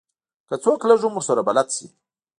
که څوک لږ هم ورسره بلد شي.